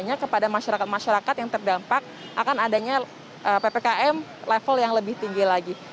tanya kepada masyarakat masyarakat yang terdampak akan adanya ppkm level yang lebih tinggi lagi